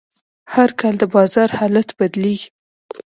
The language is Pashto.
هر کال د بازار حالت بدلېږي.